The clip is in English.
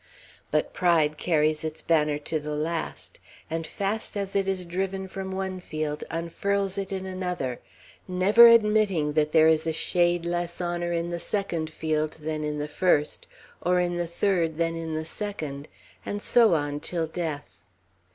But pride carries its banner to the last; and fast as it is driven from one field unfurls it in another, never admitting that there is a shade less honor in the second field than in the first, or in the third than in the second; and so on till death.